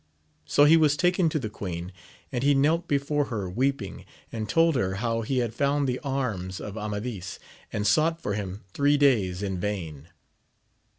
So he was taken to the queen, and he knelt before her weeping, and told her how he had found the arms of Amadis, and sought for him three days in vain.